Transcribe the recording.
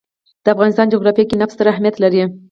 د افغانستان جغرافیه کې نفت ستر اهمیت لري.